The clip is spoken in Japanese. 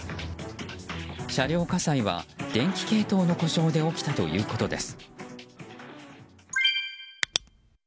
車両火災は電気系統の故障で起きたということです。